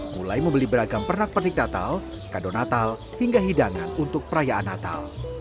mulai membeli beragam pernak pernik natal kado natal hingga hidangan untuk perayaan natal